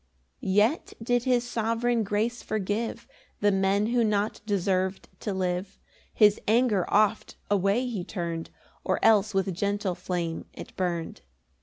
6 Yet did his sovereign grace forgive The men who not deserv'd to live; His anger oft away he turn'd, Or else with gentle flame it burn'd.